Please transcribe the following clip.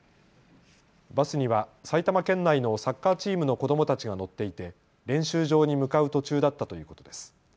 バスには埼玉県内のサッカーチームの子どもたちが乗っていて、練習場に向かう途中だったということです。